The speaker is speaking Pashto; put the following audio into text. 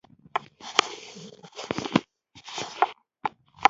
خوب د ژوند په مسیر کې حوصله راوړي